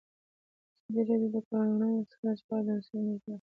ازادي راډیو د د کانونو استخراج په اړه د مسؤلینو نظرونه اخیستي.